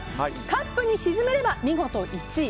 カップに沈めれば見事１位。